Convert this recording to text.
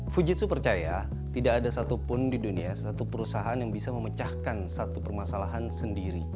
fujitsu percaya tidak ada satupun di dunia satu perusahaan yang bisa memecahkan satu permasalahan sendiri